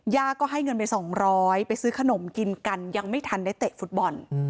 ย่าก็ให้เงินไป๒๐๐ไปซื้อขนมกินกันยังไม่ทันได้เตะฟุตบอล